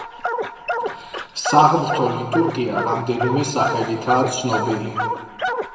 საღმრთო ლიტურგია რამდენიმე სახელითაა ცნობილი.